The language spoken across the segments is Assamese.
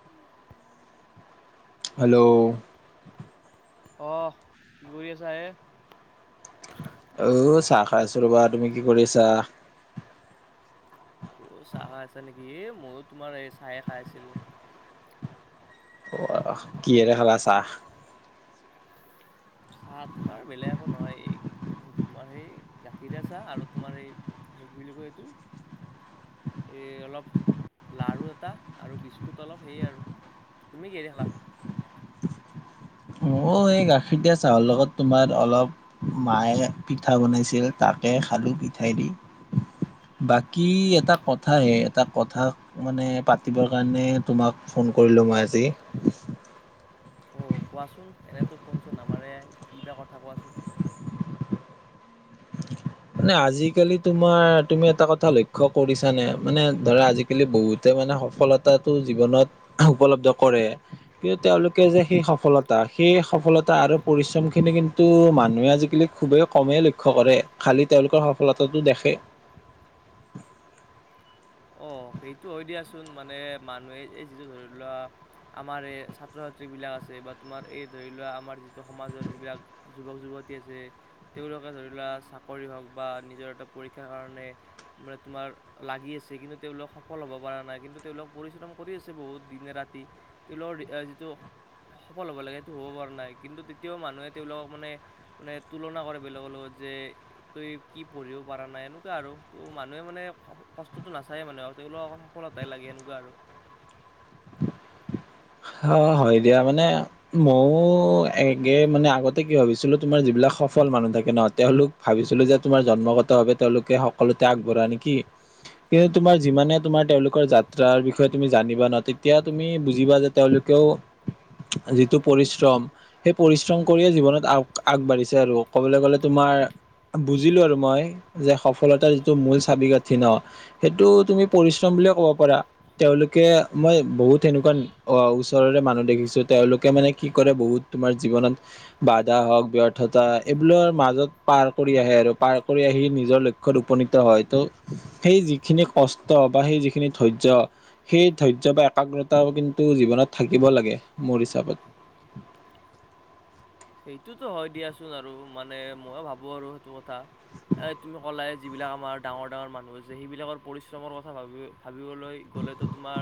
উম। হেল্ল'। অহ কি কৰি আছা এ? অও চাহ খাই আছোঁ ৰ'বা! তুমি কি কৰিছা? অ চাহ খাই আছে নেকি? এ মও তোমাৰ এই চাহে খাই আছিলোঁ। অ। কিহেৰে খালা চাহ? ভাত তোমাৰ বেলেগ একো নোৱাৰি। তোমাৰ সেই গাখীৰ দিয়া চাহ আৰু তোমাৰ এই সেই বুলি কয় এইটো? এই অলপ লাৰু এটা আৰু বিস্কুট অলপ সেইয়ে আৰু। তুমি কিহেদি খালা? অঁ, এই গাখীৰ দিয়া চাহৰ লগত তোমাৰ অলপ মাইয়ে পিঠা বনাইছিল তাকে খালোঁ পিঠাই দি। বাকী এটা কথা হে এটা কথা মানে, পাতিবৰ কাৰণে তোমাক ফোন কৰিলোঁ মই আজি। অঁ, কোৱাচোন? এনেতো ফোন-চোন নামাৰে কিবা কথা কোৱাচোন? মানে, আজিকালি তোমাৰ তুমি এটা কথা লক্ষ্য কৰিছানে মানে ধৰা আজি আজিকালি বহুতে মানে সফলতাটো জীৱনত উপলব্ধ কৰে। কিন্তু তেওঁলোকে যে সেই সফলত্ তা সেই সফলতা আৰু পৰিশ্ৰমখিনি কিন্তু মানুহে আজিকালি খুবেই কমেই লক্ষ্য কৰে। খালি তেওঁলোকৰ সফলতাটো দেখে। অঁ, সেইটো হয় দিয়াচোন। মানে মানুহে এই যিটো ধৰি লোৱা আমাৰ এই ছাত্ৰ -ছাত্ৰীবিলাক আছে বা তোমাৰ এই ধৰি লোৱা আমাৰ যিটো সমাজৰ যিবিলাক যুৱক -যুৱতী আছে তেওঁলোকে ধৰি লোৱা চাকৰি হওঁক বা নিজৰ এটা পৰীক্ষাৰ কাৰণে মানে তোমাৰ লাগি আ কিন্তু তেওঁলোক সফল হ'ব পৰা নাই কিন্তু তেওঁলোক পৰিশ্ৰম কৰি আছে বহুত দিনে -ৰাতি। তেওঁলোকৰ আ যিটো সফল হ'ব লাগে। সেইটো হ'ব পৰা নাই কিন্তু তেতিয়াও মানুহে তেওঁলোকক মানে মানে তুলনা কৰে বেলেগৰ লগত যে তই কি পঢ়িব পৰা নাই এনেকুৱা আৰু ত' মানুহে মানে কষ্ ষ্টটো নাচায়ে মানে আৰু তেওঁলোক অকল সফলতাই লাগে এনেকুৱা আৰু। অঁ, হয় দিয়া মানে মও একে মানে আগতে কি ভাবিছিলোঁ তোমাৰ যিবিলাক সফল মানুহ থাকে ন' তেওঁলোক ভাবিছিলোঁ যে তোমাৰ জন্মগতভাৱে তেওঁলোকে সকলোতে আগবঢ়া নেকি? কে তোমাৰ যিমানে তোমাৰ তেওঁলোকৰ যাত্ৰাৰ বিষয়ে তুমি জানিবা ন' তেতিয়া তুমি বুজিবা যে তেওঁলোকেও যিটো পৰিশ্ৰম সেই পৰিশ্ৰম কৰিয়ে জীৱনত আগ আগবাঢ়িছে আৰু ক'বলে গ'লে তোমাৰ বুজিলোঁ আৰু মই যে সফলতাৰ যিটো মূল চাবি-কাঠি ন' সেইটো তুমি পৰিশ্ৰম বুলিয়ে ক'ব পাৰা। তেওঁলোকে মই বহুত তেনেকুৱা ধ - অঁ, ওচৰৰে মানুহ দেখিছোঁ। তেওঁলোকে মানে, কি কৰে বহুত তোমাৰ জীৱনত বাধা হওক, ব্যৰ্থতা হওঁক এইবিলোৰ মাজত পাৰ কৰি আহে আৰু। পাৰ কৰি আহি নিজৰ ল ক্ষ্যত উপনীত হয় ত' সেই যিখিনি কষ্ট বা সেই যিখিনি ধৈৰ্য্য সেই ধৈৰ্য্য বা একাগ্ৰতা কিন্তু জীৱনত থাকিব লাগে মোৰ হিচাপত। সেইটোতো হয় দিয়াচোন আৰু মানে মইও ভাবোঁ আৰু সেইটো কথা। এ তুমি ক'লাই যিবিলাক আমাৰ ডাঙৰ ডাঙৰ মানুহ আছে। সেইবিলাকৰ পৰিশ্ৰমৰ কথা ভাবি ভাবিবলৈ গ'লেতো তোমাৰ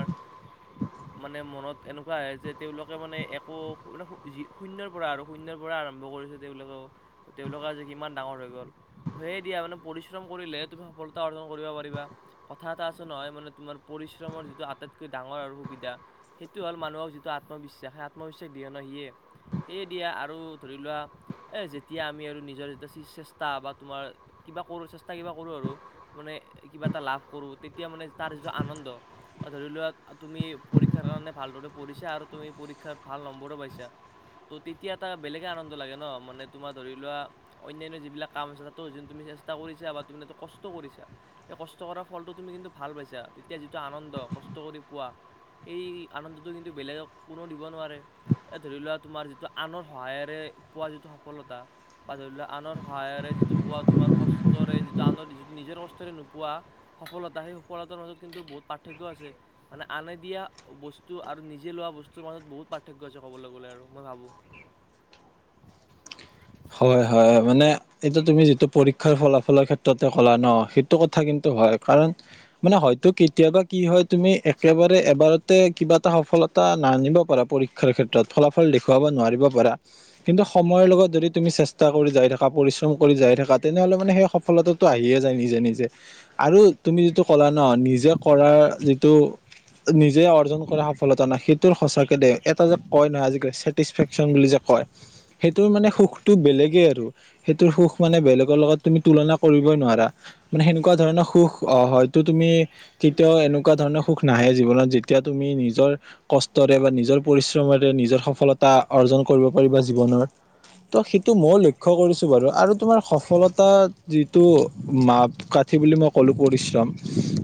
মানে মনত এনেকুৱা আহে, যে তেওঁলোকে মানে একো মানে, শূন্যৰ পৰা আৰু শূন্যৰ পৰা আৰম্ভ কৰিছে তেওঁলোকেও। তেওঁলোক আজি কিমান ডাঙৰ হৈ গ'ল। হয় দিয়া মানে পৰিশ্ৰম কৰিলে তুমি সফলতা অৰ্জন কৰিব পাৰিবা। কথা এটা আছে নহয়, মানে তোমাৰ পৰিশ্ৰমৰ যিটো আটাইতকৈ ডাঙৰ আৰু সুবিধা সেইটো হ'ল মানুহক যিটো আত্মবিশ্বাস, সেই আত্মবিশ্বাস দৃঢ় ন' সিয়ে সেয়ে দিয়া আৰু ধৰি লোৱা এ, যেতিয়া আমি আৰু নিজৰ যেতিয়া চেষ্টা বা তোমাৰ কিবা কৰোঁ, চেষ্টা কিবা কৰোঁ আৰু মানে কিবা এটা লাভ কৰোঁ, তেতিয়া মানে তাৰ যিটো আনন্দ অ', ধৰি লোৱা তুমি পৰীক্ষাৰ কাৰণে ভালদৰে পঢ়িছা, আৰু তুমি পৰীক্ষাত ভাল নম্বৰো পাইছা। ত' তেতিয়া এটা বেলেগে আনন্দ লাগে ন' মানে তোমাৰ ধৰি লোৱা অন্যান্য যিবিলাক কাম আছে, তাতো যি তুমি চেষ্টা কৰিছা বা তুমি যিটো কষ্ট কৰিছা! সে কষ্ট কৰা ফলটো তুমি কিন্তু ভাল পাইছা, তেতিয়া যিটো আনন্দ কষ্ট কৰি পোৱা এই আনন্দটো কিন্তু বেলেগক কোনেও দিব নোৱাৰে। এ, ধৰি লোৱা তোমাৰ যিটো আনৰ সহায়েৰে পোৱা যিটো সফলতা বা ধৰি লোৱা আনৰ সহায়েৰে যিটো পোৱা তোমাৰ কষ্টৰে যিটো আনৰ, যিটো নিজৰ কষ্টৰে নোপোৱা সফলতা, সেই সফলতাৰ মাজত কিন্তু বহুত পাৰ্থক্য আছে। মানে আনে দিয়া বস্তু আৰু নিজে লোৱা বস্তুৰ মাজত বহুত পাৰ্থক্য আছে, ক'বলৈ গ'লে আৰু মই ভাবোঁ। হয়, হয়, মানে এইটো তুমি যিটো পৰীক্ষাৰ ফলাফলৰ ক্ষেত্ৰতে ক'লা ন' সেইটো কথা কিন্তু হয়, কাৰণ মানে হয়তো কেতিয়াবা কি হয়, তুমি একেবাৰে এবাৰতে কিবা এটা সফলতা নানিব পাৰা পৰী ক্ষাৰ, ক্ষেত্ৰত ফলাফল দেখুৱাব নোৱাৰিব পাৰা, কিন্তু সময়ৰ লগত যদি তুমি চেষ্টা কৰি যাই থাকা, পৰিশ্ৰম কৰি যাই থাকা, তেনেহ'লে মানে সেই সফলতাটো আহিয়ে যায় নিজে, নিজে। আৰু তুমি যিটো ক'লা ন' নিজে কৰাৰ যিটো নিজে অৰ্জন কৰা সফলতা ন' সেইটোৰ সঁচাকে দে এটা যে কয় নহয়, আজিকালি চেট টিছফেকশ্বন বুলি যে কয়, সেইটোৰ মানে সুখ টো, বেলেগে আৰু সেইটোৰ সুখ মানে বেলেগৰ লগত তুমি তুলনা কৰিবই নোৱাৰা। মানে সেনেকুৱা ধৰণৰ সুখ অ', হয়তো তুমি কেতিয়াও এনেকুৱা ধৰণৰ সুখ নাহে জীৱনত যেতিয়া তুমি নিজৰ কষ্টৰে বা নিজৰ পৰিশ্ৰমেৰে নিজৰ সফলতা অৰ্জন কৰিব পাৰিবা জীৱনৰ। ত' সেইটো মইয়ো লক্ষ্য কৰিছোঁ বাৰু, আৰু তোমাৰ সফলতা যিটো মাপকা ঠি, বুলি মই ক'লোঁ পৰিশ্ৰম,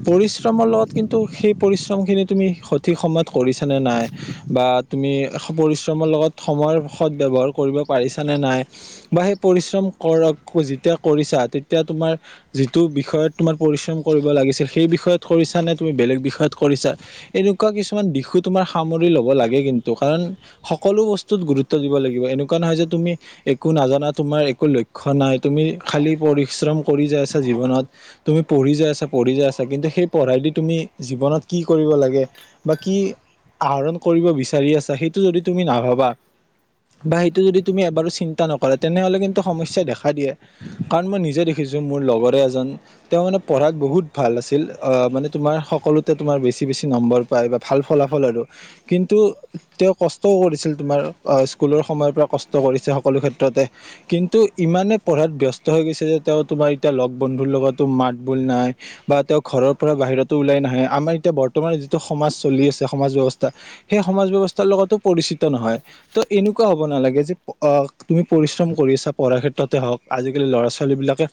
পৰিশ্ৰমৰ লগত কিন্তু সেই পৰিশ্ৰমখিনি তুমি স সঠিক সময়ত কৰিছা নে নাই, বা তুমি পৰিশ্ৰমৰ লগত সময়ৰ সদ ব্যৱহাৰ কৰিব পাৰি নে নাই বা সেই পৰিশ্ৰম কৰক যেতিয়া কৰিছা, তেতিয়া তোমাৰ যিটো বিষয়ত তোমাৰ পৰিশ্ৰম কৰিব লাগিছিল, সেই বিষয়ত কৰিছা নে তুমি বেলেগ বিষয়ত কৰিছা এনেকুৱা কিছুমান দিশো তোমাৰ সামৰি ল'ব লাগে, কিন্তু কাৰণ সকলো বস্তুত গুৰুত্ব দিব লাগিব, এনেকুৱা নহয় যে তুমি একো নাজানা তোমাৰ একো লক্ষ্য নাই, তুমি খালী পৰিশ্ৰম কৰি যাই আছা জীৱনত। তুমি পঢ়ি যাই আছা, পঢ়ি যাই আছা, কিন্তু সেই পঢ়াই দি তুমি জীৱনত কি কৰিব লাগে! বা কি আহৰণ কৰিব বিচাৰি আছা, সেইটো যদি তুমি নাভাবা বা সেইটো যদি তুমি এবাৰো চিন্তা নকৰা তেনেহ'লে কিন্তু সমস্যাই দেখা দিয়ে। কাৰণ মই নিজে দেখিছোঁ, মোৰ লগৰে এজন তেওঁ মানে পঢ়াত বহুত ভাল আছিল অ', মানে তোমাৰ সকলোতে তোমাৰ বেছি, বেছি নম্বৰ পায় বা ভাল ফলাফল আৰু। কিন্তু তেওঁ কষ্টও কৰিছিল তোমাৰ স্কুলৰ সময়ৰ পৰা কষ্ট কৰিছে সকলো ক্ষেত্ৰতে। কিন্তু ইমানে পঢ়াত ব্যস্ত হৈ গৈছে যে, তেওঁ তোমাৰ এতিয়া লগ বন্ধুৰ লগতো মাত বোল নাই। বা তেওঁ ঘৰৰ পৰা বাহিৰতো ওলাই নাহে, আমাৰ এতিয়া বৰ্তমানৰ যিটো সমাজ চলি আছে, সমাজ ব্যৱস্থা সেই সমাজ ব্যৱস্থাৰ লগতো পৰিচিত নহয়, ত এনেকুৱা হব নালাগে যে অ তুমি পৰিশ্ৰম কৰি আছা পঢ়াৰ ক্ষেত্ৰতে হওক আজিকালি ল'ৰা ছোৱালী বিলাকে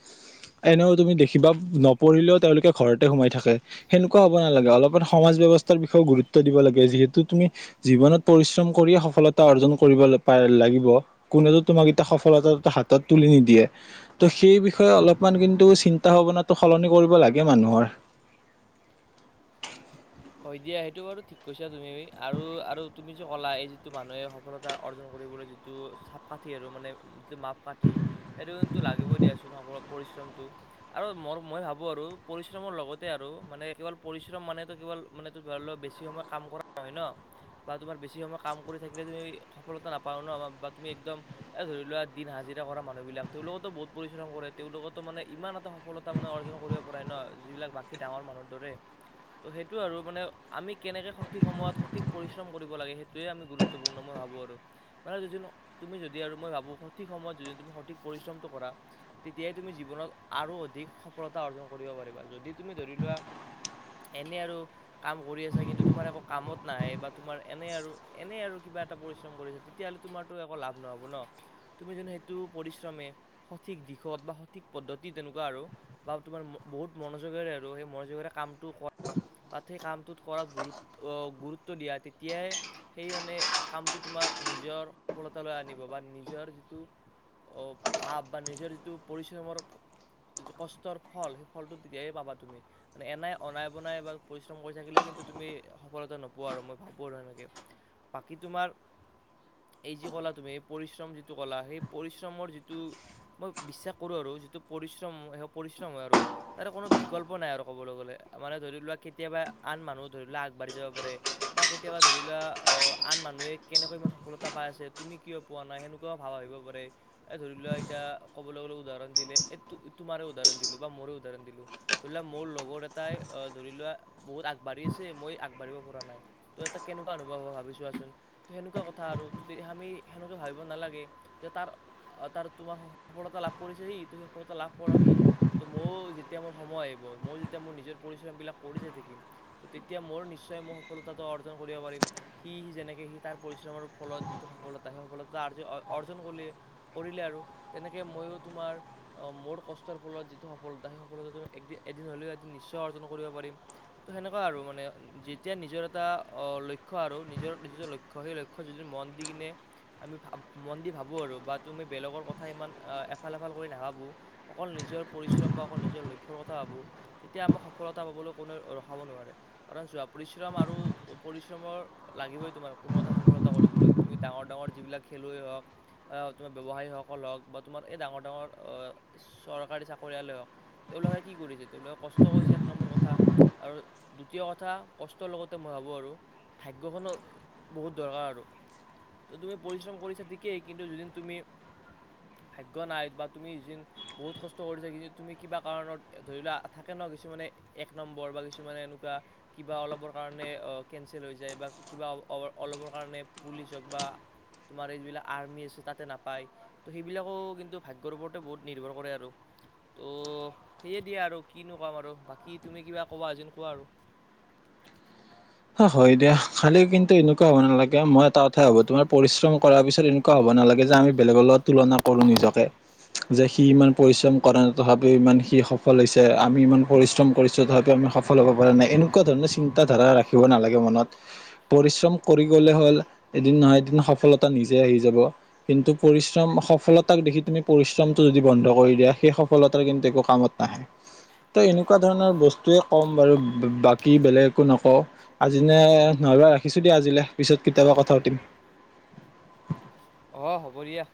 এনেও তুমি দেখিবা নপঢ়িলেও তেওঁলোকে ঘৰতে সোমাই থাকে। সেনেকুৱা হ'ব নালাগে অলপমান সমাজ ব্যৱস্থাৰ বিষয়েও গুৰুত্ব দিব লাগে, যিহেতু তুমি জীৱনত পৰিশ্ৰম কৰিয়ে সফলতা অৰ্জন কৰিব পায় লাগিব। কোনেওটো তোমাক এতিয়া সফলতাটোতো হাতত তুলি নিদিয়ে। ত' সেই বিষয়ে অলপমান কিন্তু চিন্তা ভাৱনাটো সলনি কৰিব লাগে মানুহৰ। হয় দিয়া সেইটো বাৰু ঠিক কৈছা তুমি, আৰু আৰু তুমি যে ক'লা এই যিটো মানুহে সফলতা অৰ্জন কৰিবলৈ যিটো টো চাপকাঠি আৰু মানে মাপকাঠি সেইটো কিন্তু লাগিবই দিয়াচোন অগৰহ পৰিশ্ৰমটো। আৰু মোৰ মই ভাবো আৰু পৰিশ্ৰমৰ লগতে আৰু মানে কেৱল পৰিশ্ৰম মানেতো কেৱল মানে তো ধৰি ল বেছি সময় কাম কৰা নহয় ন। বা তোমাৰ বেছি সময় কাম কৰি থাকিলে তুমি সফলতা নাপাও ন বা তুমি একদম এ ধৰি লোৱা দিন হাজিৰা কৰা মানুহ বিলাক, তেওঁলোকেতো বহুত পৰিশ্ৰম কৰে তেওঁলোকেতো মানে ইমান এটা সফলতা মানে অৰ্জন কৰিব পৰাই ন যিবিলাক বাকী ডাঙৰ মানুহৰ দৰে, ত' সেই টো আৰু মানে আমি কেনেকে সঠিক সময়ত সঠিক পৰিশ্ৰম কৰিব লাগে সেইটোৱে আমি গুৰুত্বপূৰ্ণ মই ভাবোঁ আৰু। মানে [unintelligible] তুমি যদি আৰু মই ভাবোঁ সঠিক সময়ত যদি তুমি সঠিক পৰিশ্ৰমটো কৰা তেতিয়াই তুমি জীৱনত আৰু অধিক সফলতা অৰ্জন কৰিব পাৰিবা, যদি তুমি ধৰি লোৱা এনেই আৰু কাম কৰি আছা কিন্তু তোমাৰ একো কামত নাহে, বা তোমাৰ এনে আৰু এনে আৰু কিবা এটা পৰিশ্ৰম কৰিছা তে তেতিয়াহলে তোমাৰতো একো লাভ নহ'ব ন, তুমি জানো সেইটো পৰিশ্ৰমে সঠিক দিশত বা সঠিক পদ্ধতি তেনেকুৱা আৰু। বা তোমাৰ বহুত মনোযোগৰে আৰু সেই মনোযোগৰে কামটো কৰা বাত সেই কামটোত কৰাত গুৰুত্ব অ গুৰুত্ব দিয়া তেতিয়াই সেই মানে কামটো তোমাৰ নিজৰ সফলতালৈ আনিব বা নিজৰ যিটো অ ভাৱ বা নিজৰ যিটো পৰিশ্ৰমৰ কষ্টৰ ফল সেই ফলটো তেতিয়াই পাবা তুমি, মানে এনাই অনাই বনাই বা পৰিশ্ৰম কৰি থাকিলে কিন্তু তুমি সফলতা নোপোৱা আৰু মই ভাবো আৰু এনেকে। বাকী তোমাৰ এই যি কলা তুমি এই পৰিশ্ৰম যিটো কলা সেই পৰিশ্ৰমৰ যিটো মই বিশ্বাস কৰো আৰু যিটো পৰিশ্ৰম সেই পৰিশ্ৰম হয় আৰু তাৰে কোনো বিকল্প নাই আৰু ক'বলৈ গ'লে, মানে ধৰি লোৱা কেতিয়াবা আন মানুহ ধৰি লোৱা আগবাঢ়ি যাব পাৰে বা কেতিয়াবা ধৰি লোৱা অ আন মানুহে কেনেকৈ ইমান সফলতা পায় আছে? তুমি কিয় পোৱা নাই সেনেকুৱাও ভাব আহিব পাৰে। এ ধৰি লোৱা এতিয়া ক'বলৈ গ'লে উদাহৰণ দিলে এই তো তোমাৰে উদাহৰণ দিলো বা মোৰে উদাহৰণ দিলো। ধৰি লোৱা মোৰ লগৰ এটাই অ ধৰি লোৱা বহুত আগবাঢ়ি আছে মই আগবাঢ়িব পৰা নাই তো এটা কেনেকুৱা অনুভৱ হ'ব ভাবি ছোৱাচোন। ত' সেনেকুৱা কথা আৰু, ত' আমি সেনেকুৱা ভাবিব নালাগে, যে তাৰ অ তাৰ তোমাৰ সফলতা লাভ কৰিছে সি, ত সফলতা লাভ কৰক সি। ত' ময়ো যেতিয়া মোৰ সময় আহিব, মই যেতিয়া মোৰ নিজৰ পৰিশ্ৰম বিলাক কৰি যায় থাকিম ত' তেতিয়া মোৰ নিশ্চয় মই সফলতাটো অৰ্জন কৰিব পাৰিম। সি সি যেনেকে সি তাৰ পৰিশ্ৰমৰ ফলত যিটো সফলতা সেই সফলতা অৰ্জন কৰিলে। কৰিলে আৰু তেনেকে ময়ো তোমাৰ অ মোৰ কষ্টৰ ফলত যিটো সফলতা, সেই সফলতাটো এদিন হ'লেও এদিন নিশ্চয় অৰ্জন কৰিব পাৰিম। ত' সেনেকুৱা আৰু মানে, যেতিয়া নিজৰ এটা অহ লক্ষ্য আৰু নিজৰ নিজ ল ক্ষ সেই লক্ষ্য যদি মন দি কিনে আমি ভা মন দি ভাবোঁ আৰু বা তুমি বেলেগৰ কথা ইমান এফাল এফাল কৰি নাভাবোঁ। অকল নিজৰ পৰিশ্ৰম বা অকল নিজৰ লক্ষ্যৰ কথা ভাবো। তেতিয়া আমাক সফলতা পাবলৈ কোনেও ৰখাব নোৱাৰে। কাৰণ চোৱা পৰিশ্ৰম আৰু পৰিশ্ৰমৰ লাগিবই তোমাৰ কোনো এটা সফলতা কৰিবলৈ। তুমি ডাঙৰ ডাঙৰ যিবিলাক খেলুৱৈ হওঁক? অ' তোমাৰ ব্যৱসায়ীসকল হ'ওক বা তোমাৰ এই ডাঙৰ ডাঙৰ অহ চৰকাৰী চাকৰিয়ালে হওঁক। তেওঁলোকে কি কৰিছে, তেওঁলোকে কষ্ট কৰিছে এক নম্বৰ কথা আৰু দ্বিতীয় কথা, কষ্টৰ লগতে মই ভাবোঁ আৰু ভাগ্যখনো বহুত দৰকাৰ আৰু। তো তুমি পৰিশ্ৰম কৰিছা ঠিকেই, কিন্তু যোদিন তুমি ভাগ্য নাই বা তুমি যি দিন বহুত কষ্ট কৰিছা, কিন্তু তুমি কিবা কাৰণত ধৰি লোৱা থাকে ন কিছুমানে এক নম্বৰ বা কিছুমানে এনেকুৱা কিবা অলপৰ কাৰণে অ কেনঞ্চেল হৈ যায় বা কিবা অলপৰ কাৰণে পুলিচ হওঁক বা তোমাৰ এই যিবিলাক আৰ্মি আছে তাতে নাপায়। ত' সেইবিলাকো কিন্তু ভাগ্যৰ ওপৰতে বহুত নিৰ্ভৰ কৰে আৰু। ত' সেয়ে দিয়া আৰু কিনো ক'ম আৰু, বাকী তুমি কিবা ক'বা যোন কোৱা আৰু। হ হয় দিয়া, খালি কিন্তু এনেকুৱা হ'ব নালাগে। মই এটা কথাই ভাবো তোমাৰ পৰিশ্ৰম কৰাৰ পিছত এ কুৱা হব নালাগে যে, আমি বেলেগৰ লগত তুলনা কৰো নিজকে। যে সি ইমান পৰিশ্ৰম কৰা তথাপি ইমান সি সফল হৈছে, আমি ইমান পৰিশ্ৰম কৰিছো তথাপিও আমি সফ ফল হ'ব পৰা নাই। এনেকুৱা ধৰণৰ চিন্তাধাৰা ৰাখিব নালাগে মনত। পৰিশ্ৰম কৰি গ'লে হ'ল। এদিন নহয় এদিন সফলতা নিজে আহি যাব। কিন্তু পৰিশ্ৰম সফলতাক দেখি তুমি পৰিশ্ৰমটো যদি বন্ধ কৰি দিয়া, সেই সফলতাৰ কিন্তু একো কামত নাহে। ত' এনেকুৱা ধৰণৰ বস্ টোৱে ক'ম বাৰু বাকী বেলেগ একো নকওঁ, আজিনে নহ'লে ৰাখিছোঁ দিয়া আজিলে। পিছত কেতিয়াবা কথা পাতিম। অঁ, হ'ব দিয়া।